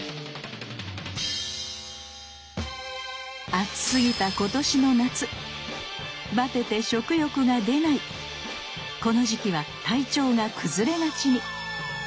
暑すぎた今年の夏バテて食欲が出ないこの時期は体調が崩れがちに。